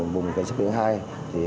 bộ cảnh sát biển hai